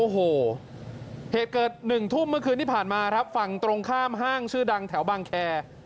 โอ้โหเหตุเกิด๑ทุ่มเมื่อคืนที่ผ่านมาครับฝั่งตรงข้ามห้างชื่อดังแถวบางแคร์